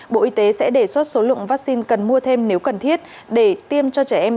bộ y tế sẽ đề xuất số lượng vaccine cần mua thêm nếu cần thiết để tiêm cho trẻ em